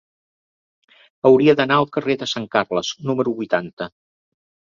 Hauria d'anar al carrer de Sant Carles número vuitanta.